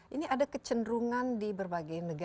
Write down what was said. ini ada kecenderungan di berbagai negara